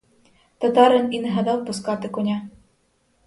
Татарин і не гадав пускати коня.